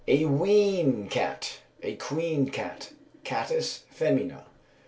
_A Wheen cat, a Queen cat (Catus femina).